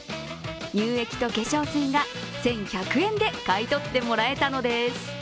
乳液と化粧水が１１００円で買い取ってもらえたのです。